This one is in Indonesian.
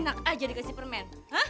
enak aja dikasih permen